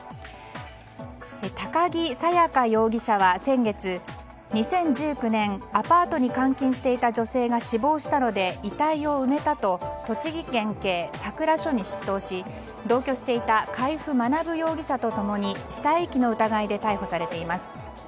高木沙耶花容疑者は先月２０１９年、アパートに監禁していた女性が死亡したので、遺体を埋めたと栃木県警さくら署に出頭し同居していた海部学容疑者と共に死体遺棄の疑いで逮捕されています。